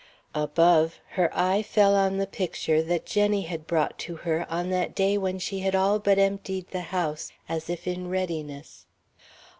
Above, her eye fell on the picture that Jenny had brought to her on that day when she had all but emptied the house, as if in readiness.